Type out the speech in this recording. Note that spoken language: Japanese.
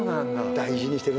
大事にしてるんだ。